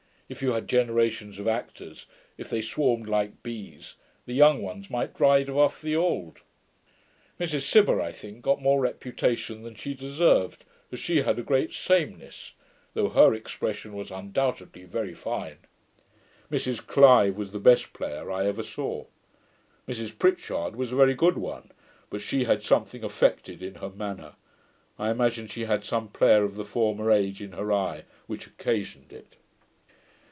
If you had generations of actors, if they swarmed like bees, the young ones might drive off the old. Mrs Gibber, I think, got more reputation than she deserved, as she had a great sameness; though her expression was undoubtedly very fine. Mrs Clive was the best player I ever saw. Mrs Pritchard was a very good one; but she had something affected in her manner: I imagine she had some player of the former age in her eye, which occasioned it.'